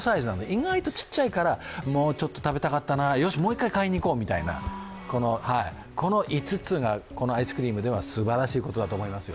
意外と小さいからもうちょっと食べたかったな、よしもう一回買いに行こうというこの５つがアイスクリームではすばらしいことだと思いますよ。